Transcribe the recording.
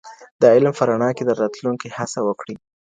د علم په رڼا کي د راتلونکي هڅه وکړئ.